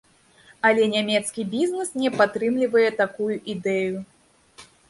Але нямецкі бізнес не падтрымлівае такую ідэю.